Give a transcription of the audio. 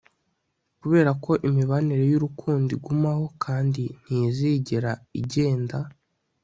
kuberako imibanire y'urukundo igumaho kandi ntizigera igenda